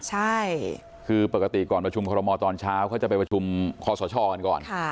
ใช่คือปกติก่อนประชุมคอรมอตอนเช้าเขาจะไปประชุมคอสชกันก่อน